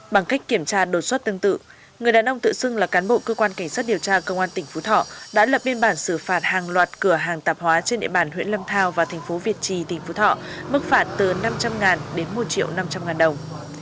bằng cách kiểm tra đột xuất tương tự người đàn ông tự xưng là cán bộ cơ quan cảnh sát điều tra công an tỉnh phú thọ đã lập biên bản xử phạt hàng loạt cửa hàng tạp hóa trên địa bàn huyện lâm thao và thành phố việt trì tỉnh phú thọ mức phạt từ năm trăm linh đến một triệu năm trăm linh ngàn đồng